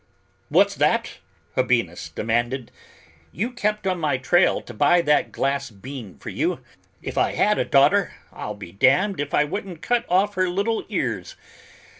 "What's that?" Habinnas demanded. "You kept on my trail to buy that glass bean for you; if I had a daughter, I'll be damned if I wouldn't cut off her little ears.